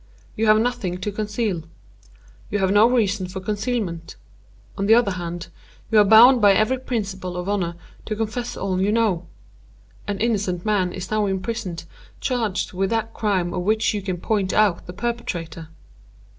You have nothing to conceal. You have no reason for concealment. On the other hand, you are bound by every principle of honor to confess all you know. An innocent man is now imprisoned, charged with that crime of which you can point out the perpetrator."